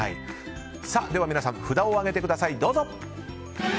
では皆さん、札を上げてください。